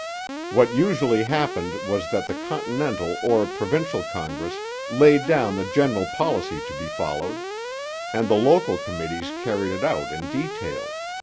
What usually happened was that the Continental or provincial Congress laid down the general policy to be followed, and the local committees carried it out in detail.